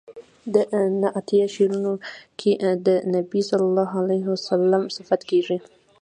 په نعتیه شعرونو کې د بني علیه السلام صفت کیږي.